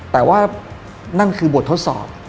แต่ว่านั่นคือบททดสอบ